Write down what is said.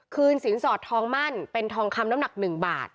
สินสอดทองมั่นเป็นทองคำน้ำหนัก๑บาท